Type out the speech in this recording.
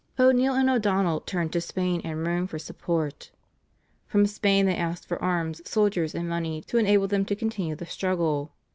O'Neill and O'Donnell turned to Spain and Rome for support. From Spain they asked for arms, soldiers, and money to enable them to continue the struggle.